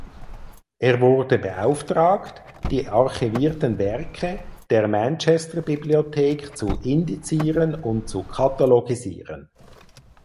Er wurde beauftragt die archivierten Werke der Manchester Bibliothek zu indizieren und zu katalogisieren.